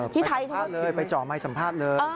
สัมภาษณ์เลยไปเจาะไมค์สัมภาษณ์เลย